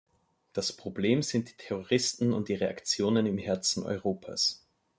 Das Problem sind die Terroristen und ihre Aktionen im Herzen Europas.